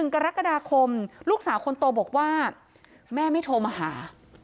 กรกฎาคมลูกสาวคนโตบอกว่าแม่ไม่โทรมาหา